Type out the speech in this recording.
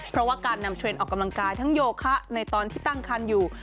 เพราะว่าการนำเทรนด์ออกกำลังกายทั้งโยคะในตอนที่ตั้งคันอยู่